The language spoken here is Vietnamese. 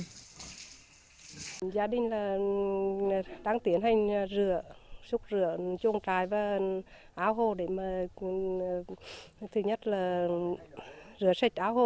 gia đình đang tiến hành rửa súc rửa chuồng trại và ao hồ